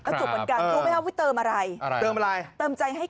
โทรภัณฑ์ถามว่าให้เติมอะไร